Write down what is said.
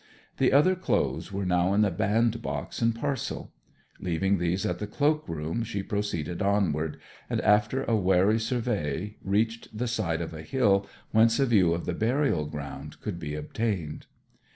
The other clothes were now in the bandbox and parcel. Leaving these at the cloak room she proceeded onward, and after a wary survey reached the side of a hill whence a view of the burial ground could be obtained.